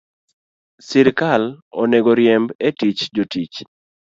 Sirkal onego riemb e tich jotich